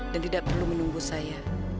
dan tidak perlu menunggu saya